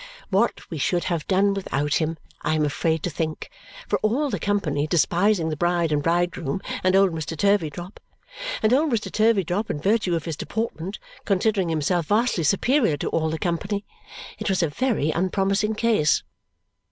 What we should have done without him, I am afraid to think, for all the company despising the bride and bridegroom and old Mr. Turveydrop and old Mr. Thurveydrop, in virtue of his deportment, considering himself vastly superior to all the company it was a very unpromising case.